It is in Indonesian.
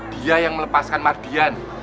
dia yang melepaskan merdian